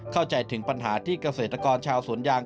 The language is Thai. เข้าใจถึงปัญหาที่เกษตรกรชาวสวนยาง